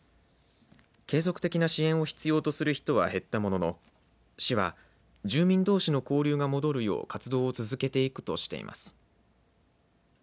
継続的な支援を必要とする人は減ったものの市は住民どうしの交流が戻るよう活動を続けていくとしています。